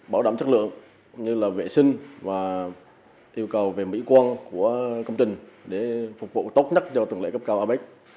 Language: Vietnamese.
bảo đảm chất lượng cũng như là vệ sinh và yêu cầu về mỹ quan của công trình để phục vụ tốt nhất cho tuần lễ cấp cao apec